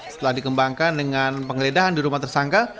setelah dikembangkan dengan penggeledahan di rumah tersangka